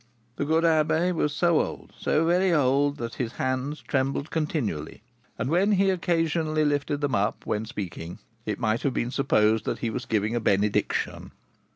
The good abbé was so old, so very old, that his hands trembled continually, and when he occasionally lifted them up, when speaking, it might have been supposed that he was giving a benediction.